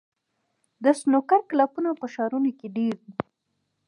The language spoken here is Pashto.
د سنوکر کلبونه په ښارونو کې ډېر دي.